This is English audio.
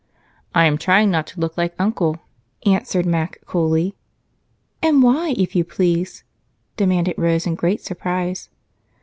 "I am trying not to look like Uncle," answered Mac coolly. "And why, if you please?" demanded Rose in great surprise.